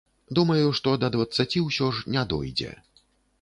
Думаю, што да дваццаці ўсё ж не дойдзе.